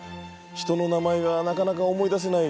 人の名前がなかなか思い出せない。